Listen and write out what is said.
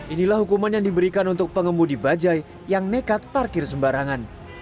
inilah hukuman yang diberikan untuk pengemudi bajai yang nekat parkir sembarangan